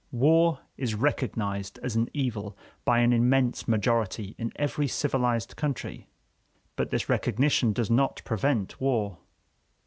War is recognized as an evil by an immense majority in every civilized country; but this recognition does not prevent war.